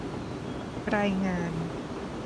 รายงาน